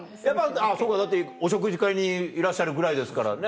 そうかだってお食事会にいらっしゃるぐらいですからね。